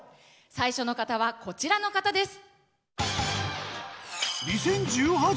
最初の方はこちらの方です。